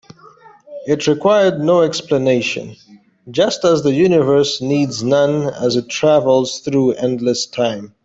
It required no explanation, just as the universe needs none as it travels through endless time.